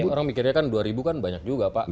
orang mikirnya kan dua ribu kan banyak juga pak